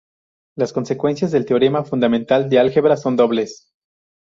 Las consecuencias del teorema fundamental del álgebra son dobles.